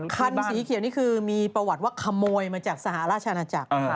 คันสีเขียวนี่คือมีประวัติว่าขโมยมาจากสหราชอาณาจักร